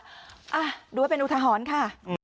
ดูว่าเป็นอุทหรณ์ค่ะ